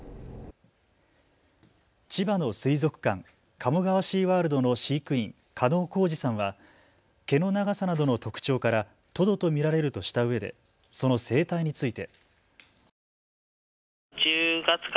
千葉の水族館、鴨川シーワールドの飼育員、加納幸司さんは毛の長さなどの特徴からトドと見られるとしたうえでその生態について。